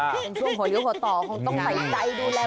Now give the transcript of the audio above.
ในช่วงหลิวหัวต่อคงต้องใส่ใจดูแลผู้ถือเยอะค่ะ